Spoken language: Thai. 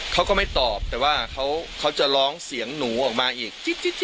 เขาก็ไม่ตอบแต่ว่าเขาจะร้องเสียงหนูออกมาอีก